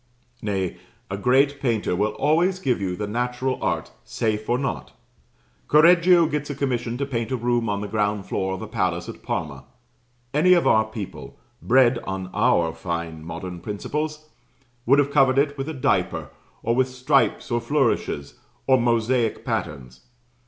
Nay, a great painter will always give you the natural art, safe or not. Correggio gets a commission to paint a room on the ground floor of a palace at Parma: any of our people bred on our fine modern principles would have covered it with a diaper, or with stripes or flourishes, or mosaic patterns.